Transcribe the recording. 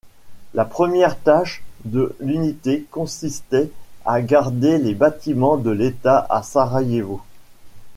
La première tâche de l'unité consistait à garder les bâtiments de l'État à Sarajevo.